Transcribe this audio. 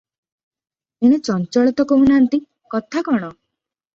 ଏଣେ ଚଞ୍ଚଳ ତ କହୁ ନାହାନ୍ତି, କଥା କଣ?